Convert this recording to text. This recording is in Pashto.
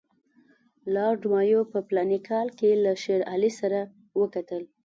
لارډ مایو په فلاني کال کې له شېر علي سره وکتل.